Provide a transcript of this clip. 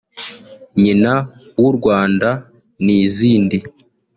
“Nyina w’u Rwanda” n’izindi